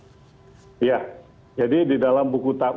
ya jadi di dalam buku tamu